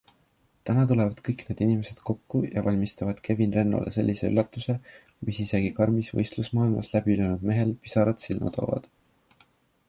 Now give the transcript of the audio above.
Täna tulevad kõik need inimesed kokku ja valmistavad Kevin Rennole sellise üllatuse, mis isegi karmis võistlusmaailmas läbi löönud mehel pisarad silma toovad.